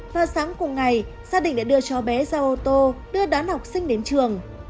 vào sáng cùng ngày gia đình đã đưa cho bé ra ô tô đưa đón học sinh đến trường